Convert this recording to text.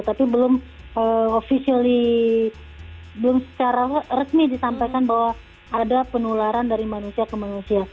tapi belum secara resmi ditampilkan bahwa ada penularan dari manusia ke manusia